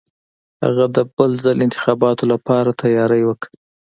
هغه د بل ځل انتخاباتو لپاره تیاری وکه.